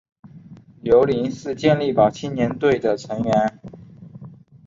刘麟是健力宝青年队的成员。